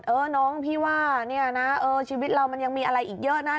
เออน้องพี่ว่าเนี่ยนะชีวิตเรามันยังมีอะไรอีกเยอะนะ